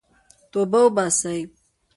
توبه وباسئ.